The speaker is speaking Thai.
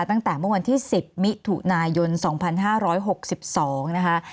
ตั้งแต่เมื่อวันที่๑๐มิถุนายน๒๕๖๒นะคะ